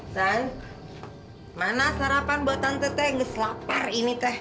san mana sarapan buat tante teh yang ngeselapar ini teh